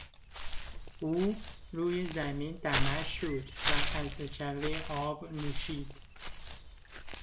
او روی زمین دمر شد و از جوی آب نوشید.